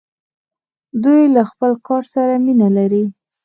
دوی له خپل کار سره مینه لري.